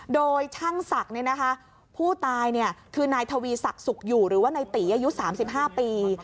โดยช่างศักดิ์ผู้ตายคือนายทวีศักดิ์สุขอยู่หรือว่านายตีอายุ๓๕ปี